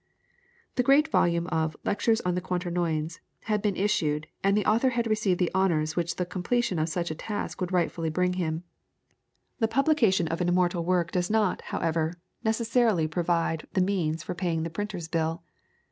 The great volume of "Lectures on Quaternions" had been issued, and the author had received the honours which the completion of such a task would rightfully bring him. The publication of an immortal work does not, however, necessarily provide the means for paying the printer's bill.